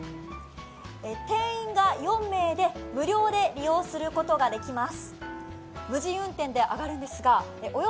定員が４名で無料で利用することができます。